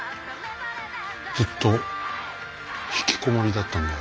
ずっとひきこもりだったんだよ。